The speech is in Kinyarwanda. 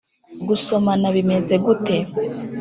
gusomana bimeze gute?”